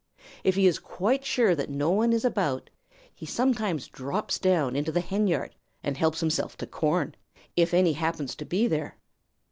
If he is quite sure that no one is about, he sometimes drops down into the henyard and helps himself to corn, if any happens to be there.